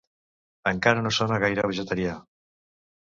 Encara no sona gaire vegetarià.